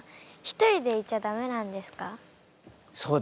ひとりでいちゃダメなんですか？